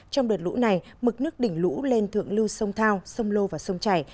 trong đợt lũ này mực nước đỉnh lũ lên thượng lưu sông thao sông lô và sông chảy